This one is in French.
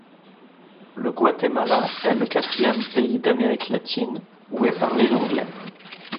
Le Guatemala est le quatrième pays d'Amérique latine où est parlé l'anglais.